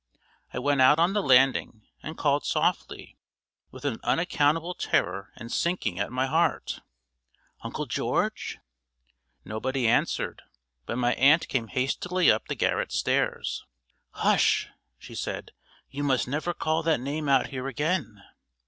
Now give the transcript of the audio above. I went out on the landing and called softly, with an unaccountable terror and sinking at my heart: "Uncle George!" Nobody answered; but my aunt came hastily up the garret stairs. "Hush!" she said. "You must never call that name out here again!"